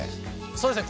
そうですね。